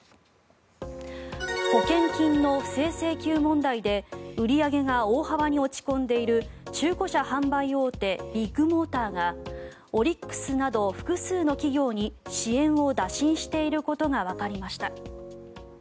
保険金の不正請求問題で売り上げが大幅に落ち込んでいる中古車販売大手ビッグモーターがオリックスなど複数の企業に支援を打診していることがわかりました。